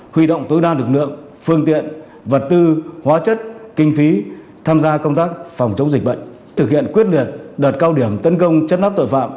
huy động tối đa lực lượng phương tiện vật tư hóa chất kinh phí tham gia công tác phòng chống dịch bệnh thực hiện quyết liệt đợt cao điểm tấn công chất nắp tội phạm